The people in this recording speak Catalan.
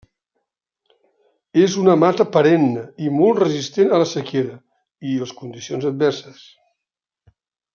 És una mata perenne i molt resistent a la sequera i les condicions adverses.